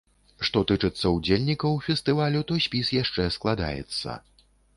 Што тычыцца ўдзельнікаў фестывалю, то спіс яшчэ складаецца.